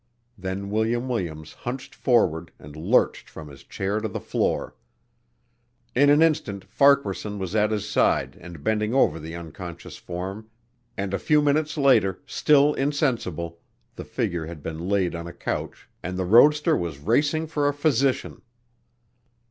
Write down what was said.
Then William Williams hunched forward and lurched from his chair to the floor. In an instant Farquaharson was at his side and bending over the unconscious form and a few minutes later, still insensible, the figure had been laid on a couch and the roadster was racing for a physician.